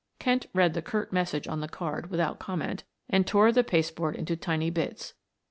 Kent read the curt message on the card without comment and tore the paste board into tiny bits.